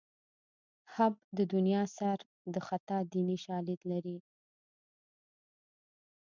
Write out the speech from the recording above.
حب د دنیا سر د خطا دیني شالید لري